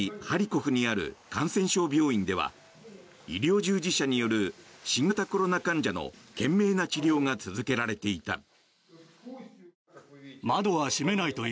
ハリコフにある感染症病院では医療従事者による新型コロナ患者の懸命な治療が続けられていた。